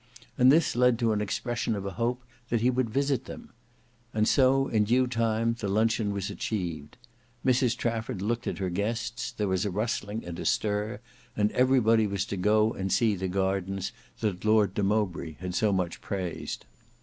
And this led to an expression of a hope that he would visit them. And so in due time the luncheon was achieved. Mrs Trafford looked at her guests, there was a rustling and a stir, and everybody was to go and see the gardens that Lord de Mowbray had so much praised.